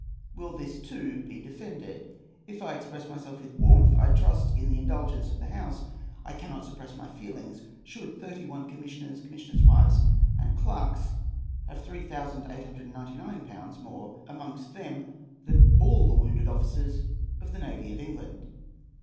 Will this too be defended? If I express myself with warmth I trust in the indulgence of the House. I cannot suppress my feelings. Should 31 commissioners, commissioners' wives, and clerks have 3899l. more amongst them than all the wounded officers of the navy of England?